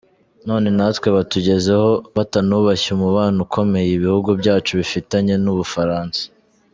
none natwe batugezeho, batanubashye umubano ukomeye ibihugu byacu bifitanye n’u Bufaransa.